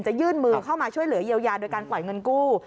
ยื่นมือเข้ามาช่วยเหลือเยียวยาโดยการปล่อยเงินกู้